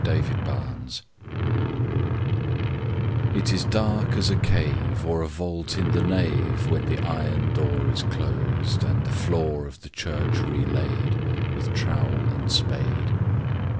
THE CLOCK WINDER IT is dark as a cave, Or a vault in the nave When the iron door Is closed, and the floor Of the church relaid With trowel and spade.